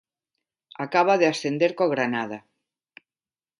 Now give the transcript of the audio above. Acaba de ascender co Granada.